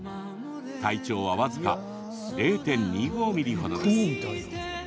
体長は僅か０．２５ｍｍほどです。